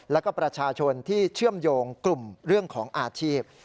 แล้วก็ประชาชนที่เชื่อมโยงกลุ่มเรื่องของอาชีพ